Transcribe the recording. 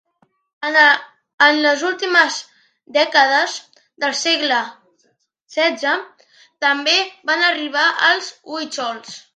En les últimes dècades del segle XVI també van arribar els huitxols.